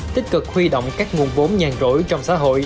tích cực huy động các nguồn vốn nhàn rỗi trong xã hội